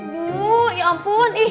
bu ya ampun